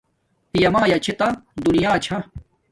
پیا مایا چھے تا دونیا چھا